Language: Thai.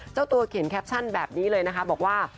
เจ้าตัวเขียนแคปชั่นแบบนี้เลยนะคะบอกว่า